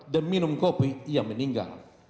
dan minum kopi ia meninggal